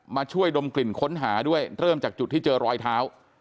มาช่วยดมกลิ่นค้นหาด้วยเริ่มจากจุดที่เจอรอยเท้า